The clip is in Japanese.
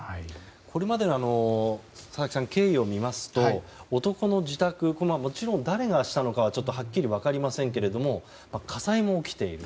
これまでの佐々木さん、経緯を見ますと男の自宅もちろん誰がしたのかははっきり分かりませんけれども火災も起きている。